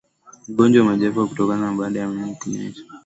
Ugonjwa wa majimoyo hutokea baada ya mvua nyingi kunyesha